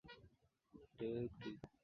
chini ya miaka kumi na saba